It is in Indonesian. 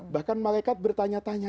bahkan malaikat bertanya tanya